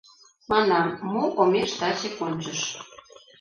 Манам: мо омеш таче кончыш